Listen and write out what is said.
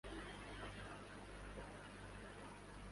یہ ہم جو ہجر میں دیوار و در کو دیکھتے ہیں